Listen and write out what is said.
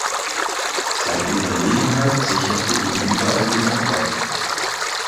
Seine Überlegenheit sicherte ihm überall den Erfolg.